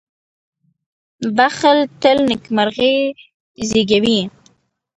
• بښل تل نېکمرغي زېږوي.